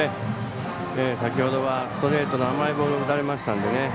先ほどは、ストレートの甘いボールを打たれましたので。